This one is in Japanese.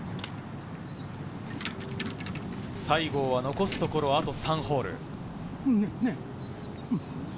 西郷は残すところあと３ホール。